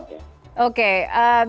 kita lihat sesuai dengan kemampuannya